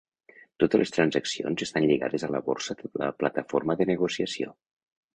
Totes les transaccions estan lligades a la borsa de la plataforma de negociació.